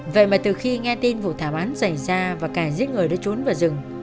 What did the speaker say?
vậy mà từ khi nghe tin vụ thảo án rảnh ra và cài giết người đã trốn vào rừng